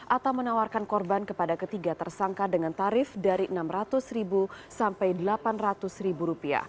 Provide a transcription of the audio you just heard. atau menawarkan korban kepada ketiga tersangka dengan tarif dari rp enam ratus sampai rp delapan ratus